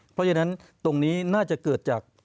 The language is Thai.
เพราะฉะนั้นตรงนี้น่าจะเกิดจาก